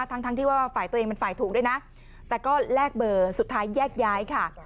ทั้งทั้งที่ว่าฝ่ายตัวเองเป็นฝ่ายถูกด้วยนะแต่ก็แลกเบอร์สุดท้ายแยกย้ายค่ะ